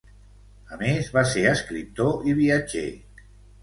A més va ser escriptor i viatger.